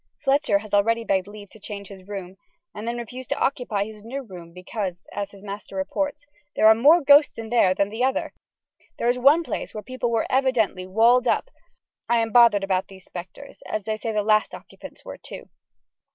Fletcher has already begged leave to change his room, and then refused to occupy his new room, because, as his master reports, "there are more ghosts there than in the other!... There is one place where people were evidently walled up ... I am bothered about these spectres, as they say the last occupants were too."